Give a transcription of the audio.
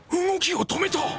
動きを止めた！